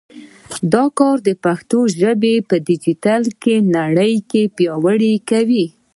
دا کار د پښتو ژبه په ډیجیټل نړۍ کې پیاوړې کوي.